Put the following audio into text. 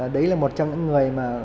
đấy là một trong những người mà